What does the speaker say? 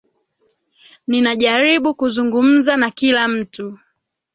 Ninajaribu kuzungumza na kila mtu.